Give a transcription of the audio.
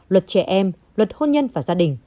luật trẻ em luật hôn nhân và gia đình